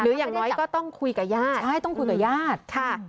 อย่างน้อยก็ต้องคุยกับญาติใช่ต้องคุยกับญาติค่ะ